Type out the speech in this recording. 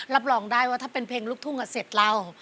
รับรองได้ว่าถ้าเป็นเพลงลูกทุ่งเสร็จเล่า